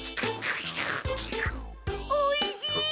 おいしい！